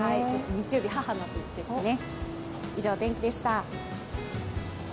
日曜日、母の日ですね。